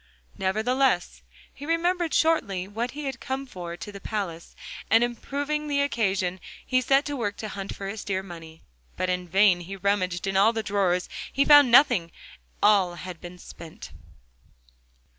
Nevertheless, he remembered shortly what he had come for to the palace, and improving the occasion, he set to work to hunt for his dear money. But in vain he rummaged in all the drawers; he found nothing; all had been spent.